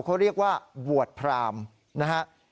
เขาเรียกว่าบวชพรามนะฮะ